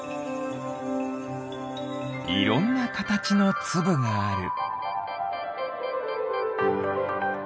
いろんなカタチのつぶがある。